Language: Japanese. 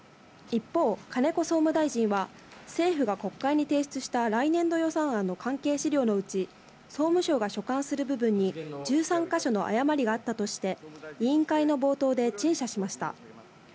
一方、金子総務大臣は政府が国会に提出した来年度予算案の関係資料のうち、総務省が所管する部分に１３か所の誤りがあったとして、委員会の冒頭で陳謝しました。